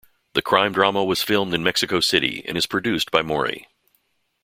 The crime-drama was filmed in Mexico city and is produced by Mori.